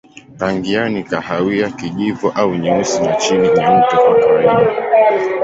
Rangi yao ni kahawia, kijivu au nyeusi na chini nyeupe kwa kawaida.